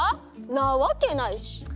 なわけないし！